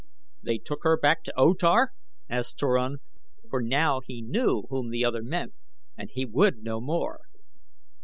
"They took her back to O Tar?" asked Turan, for now he knew whom the other meant, and he would know more.